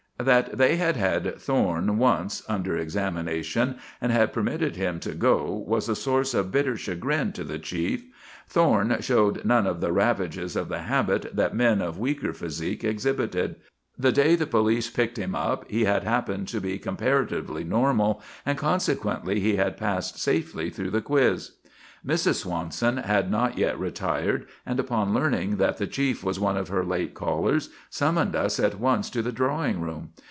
That they had had Thorne once under examination and had permitted him to go was a source of bitter chagrin to the chief. Thorne showed none of the ravages of the habit that men of weaker physique exhibited; the day the police picked him up he had happened to be comparatively normal, and consequently he had passed safely through the quiz. Mrs. Swanson had not yet retired, and, upon learning that the chief was one of her late callers, summoned us at once to the drawing room.